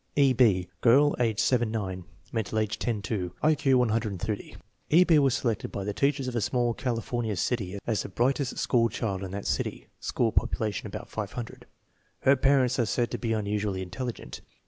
E. B. Girl, age 7 9; mental age 10 2; I Q 130. E. B. was selected' by the teachers of a small California city as the brightest school child in that city (school population about 500). Her parents are said to be unusually intelligent.